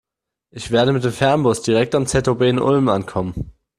Ich werde mit dem Fernbus direkt am ZOB in Ulm ankommen.